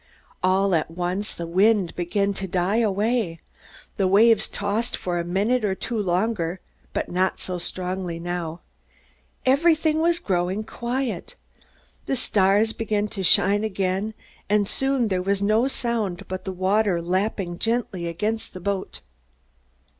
All at once the wind began to die away. The waves tossed for a minute or two longer, but not so strongly now. Everything was growing quiet. The stars began to shine again, and soon there was no sound but the water lapping gently against the boat.